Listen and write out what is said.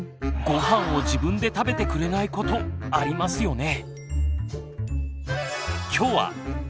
ごはんを自分で食べてくれないことありますよね。